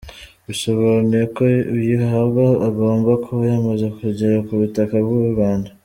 Bisobanuye ko uyihabwa agomba kuba yamaze kugera ku butaka bw’u Rwanda !